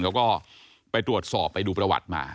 แล้วก็ไปตรวจสอบไปดูประวัติมา